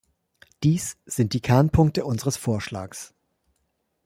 Dies sind die Kernpunkte unseres Vorschlags.